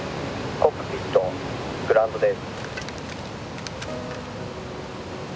「コックピットグランドです」